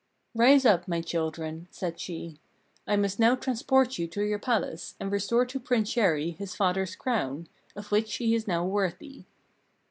"Rise up, my children," said she; "I must now transport you to your palace, and restore to Prince Chéri his father's crown, of which he is now worthy."